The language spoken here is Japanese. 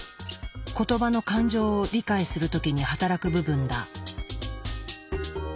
言葉の感情を理解する時に働く部分だ。